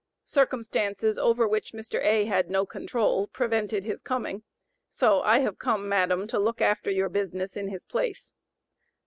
Circumstances, over which Mr. A. had no control, prevented his coming, so I have come, madam, to look after your business in his place.